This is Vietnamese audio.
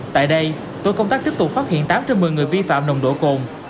tại đây tổ công tác tiếp tục phát hiện tám trên một mươi người vi phạm nồng độ cồn